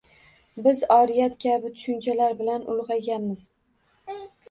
Biz oriyat kabi tushunchalar bilan ulgʻayganmiz.